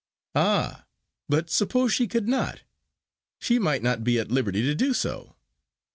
"Ah! but suppose she could not. She might not be at liberty to do so."